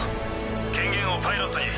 権限をパイロットに。